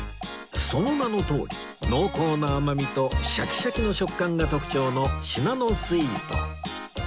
その名のとおり濃厚な甘みとシャキシャキの食感が特徴のシナノスイート